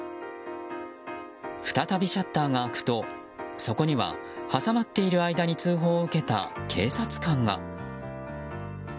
再びシャッターが開くとそこには挟まっている間に通報を受けた警察官が。